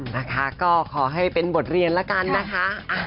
นะคะก็ขอให้เป็นบทเรียนแล้วกันนะคะ